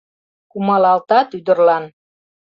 Кумалалтат ӱдырлан.